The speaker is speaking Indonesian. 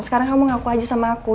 sekarang kamu ngaku aja sama aku